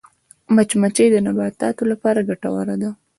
مچمچۍ د نباتاتو لپاره ګټوره ده